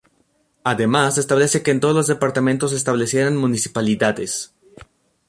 Además, se establece que en todos los departamentos se establecieran municipalidades.